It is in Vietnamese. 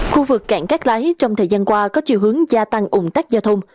khu vực cảng cát lái trong thời gian qua có chiều hướng gia tăng ủng tắc giao thông